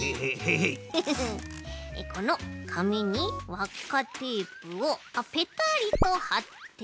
このかみにわっかテープをペタリとはって。